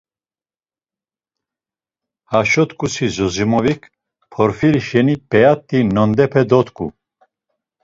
Haşo t̆ǩusi Zosimovik, Porfiri şeni p̌eat̆i nondepe dot̆ǩu.